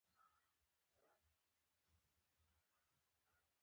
دغو انجینرانو د پادشاه د کارونو مشر توب کاوه.